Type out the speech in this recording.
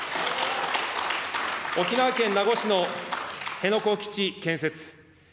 沖縄県名護市の辺野古基地建設。